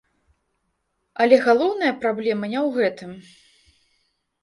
Але галоўная праблема не ў гэтым.